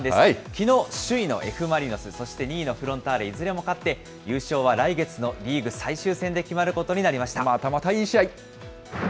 きのう、首位のＦ・マリノス、そして２位のフロンターレ、いずれも勝って、優勝は来月のリーグ最終戦で決まることになりました。